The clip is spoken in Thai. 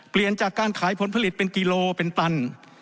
เปลี่ยนจากการขายผลผลิตเป็นกิโลเป็นตัน